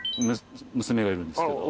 娘がいるんですけど。